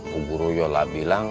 bu guru yola bilang